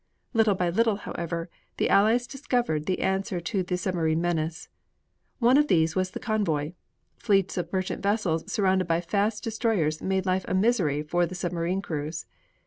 Little by little, however, the Allies discovered the answer to the submarine menace. One of these was the convoy: fleets of merchant vessels surrounded by fast destroyers made life a misery for the submarine crews.